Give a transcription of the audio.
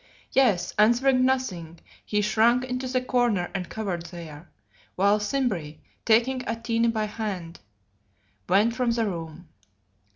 Yes, answering nothing, he shrank into the corner and cowered there, while Simbri, taking Atene by the hand, went from the room.